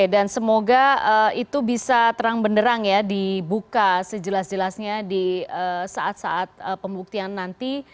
dan semoga itu bisa terang benderang ya dibuka sejelas jelasnya di saat saat pembuktian nanti